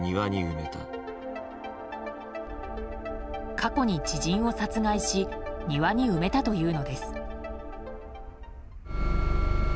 過去に知人を殺害し庭に埋めたというのです。